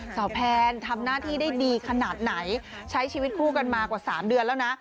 แพนทำหน้าที่ได้ดีขนาดไหนใช้ชีวิตคู่กันมากว่า๓เดือนแล้วนะ